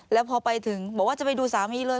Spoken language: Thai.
แล้วพอไปถึงบอกว่าจะไปดูสามีเลย